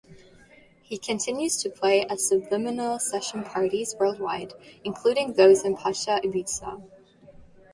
He continues to play at Subliminal session parties worldwide, including those in Pacha, Ibiza.